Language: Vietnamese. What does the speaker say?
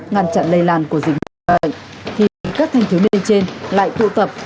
ngăn chặn lây lan của dịch bệnh thì các thanh thiếu niên trên lại tụ tập